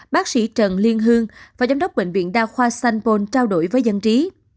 bác sĩ trần liên hương và giám đốc bệnh viện đa khoa st paul trao đổi với dân trí